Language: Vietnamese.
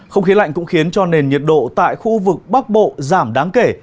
không khí lạnh cũng khiến cho nền nhiệt độ tại khu vực bắc bộ giảm đáng kể